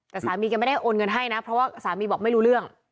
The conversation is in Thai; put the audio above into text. แต่สามีแกไม่ได้โอนเงินให้นะเพราะว่าสามีบอกไม่รู้เรื่อง